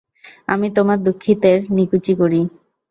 আমি তোমার দুঃখিতের নিকুচি করি।